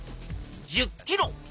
１０キロ！